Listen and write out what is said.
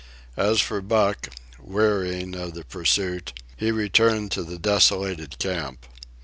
As for Buck, wearying of the pursuit, he returned to the desolated camp.